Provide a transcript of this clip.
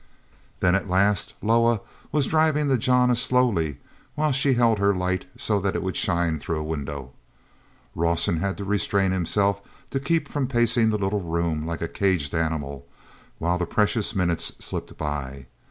Then, at last, Loah was driving the jana slowly while she held her light so it would shine through a window. Rawson had to restrain himself to keep from pacing the little room like a caged animal while the precious minutes slipped by.